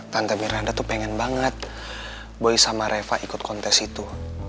tante miranda tuh pengen banget boy sama reva ikut kontes itu